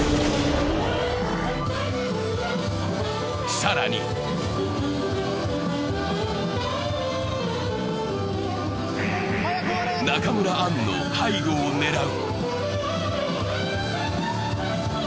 更に中村アンの背後を狙う。